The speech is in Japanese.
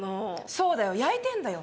そうだよ妬いてんだよ！